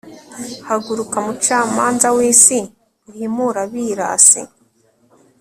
haguruka, mucamanza w'isi, uhimure abirasi